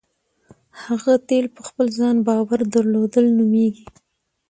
هغه تیل په خپل ځان باور درلودل نومېږي.